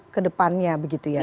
ke depannya begitu ya